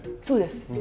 そうです。